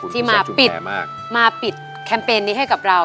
ที่มาปิดมาปิดแคมเปญนี้ให้กับเรา